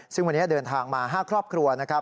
ซึ่งวันนี้เดินทางมา๕ครอบครัวนะครับ